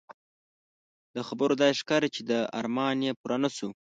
له خبرو داسې ښکاري چې دا ارمان یې پوره نه شو.